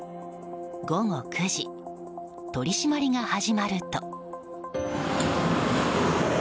午後９時取り締まりが始まると。